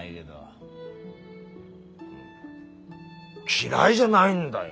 嫌いじゃないんだよ